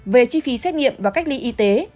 về chi phí xét nghiệm và cách ly y tế